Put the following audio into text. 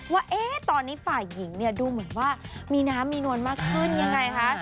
ว่าตอนนี้ฝ่ายหญิงเนี่ยดูเหมือนว่ามีน้ำมีนวลมากขึ้นยังไงคะ